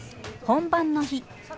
本番の日。